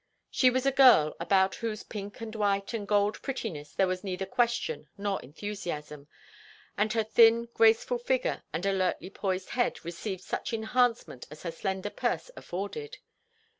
She was a girl about whose pink and white and golden prettiness there was neither question nor enthusiasm, and her thin, graceful figure and alertly poised head received such enhancement as her slender purse afforded.